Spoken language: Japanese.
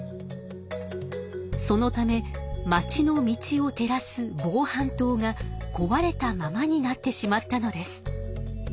そのためまちの道をてらす防犯灯がこわれたままになってしまったのです。